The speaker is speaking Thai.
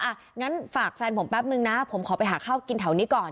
อ่ะงั้นฝากแฟนผมแป๊บนึงนะผมขอไปหาข้าวกินแถวนี้ก่อน